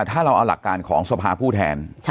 ถ้าเราเอาหลักการของสภาผู้แทน